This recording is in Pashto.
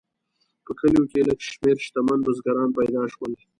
په کلیو کې لږ شمیر شتمن بزګران پیدا شول.